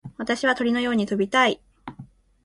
私は鳥のように飛びたい。